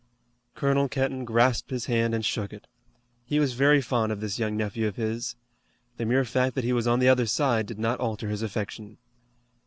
Colonel Kenton grasped his hand and shook it. He was very fond of this young nephew of his. The mere fact that he was on the other side did not alter his affection.